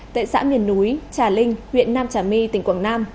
tại xã miền núi trà linh huyện nam trà my tỉnh quảng nam